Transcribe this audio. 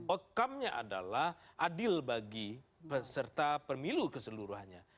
outcome nya adalah adil bagi peserta pemilu keseluruhannya